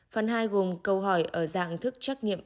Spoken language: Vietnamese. phần hai gồm câu hỏi ở dạng thức trắc nghiệm